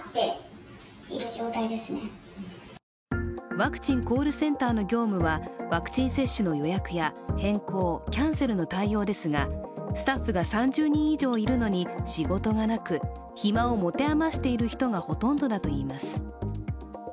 ワクチンコールセンターの業務はワクチン接種の予約や変更・キャンセルの対応ですが、スタッフが３０人以上いるのに仕事がなく、暇を持て余している人がほとんどだといいます。